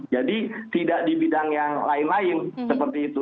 jadi tidak di bidang yang lain lain seperti itu